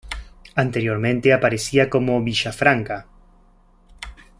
Anteriormente aparecería como "Villafranca".